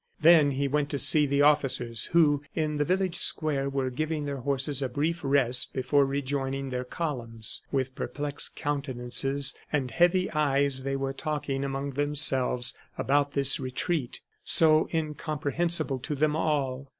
Then he went to see the officers who in the village square were giving their horses a brief rest before rejoining their columns. With perplexed countenances and heavy eyes they were talking among themselves about this retreat, so incomprehensible to them all.